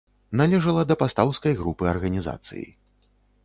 Належала да пастаўскай групы арганізацыі.